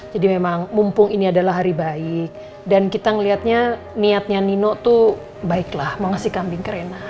jadi memang mumpung ini adalah hari baik dan kita ngeliatnya niatnya nino tuh baiklah mau ngasih kambing ke rena